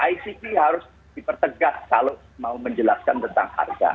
icp harus dipertegak kalau mau menjelaskan tentang harga